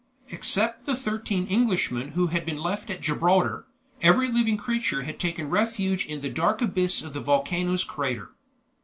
Except the thirteen Englishmen who had been left at Gibraltar, every living creature had taken refuge in the dark abyss of the volcano's crater.